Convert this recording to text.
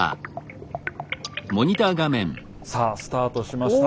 さあスタートしました。